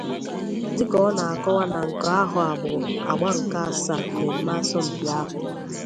Dịka ọ na-akọwa na nke ahọ a bụ àgbà nke asaa mmemme asọmpi ahụ